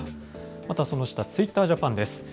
またその下、ツイッタージャパンです。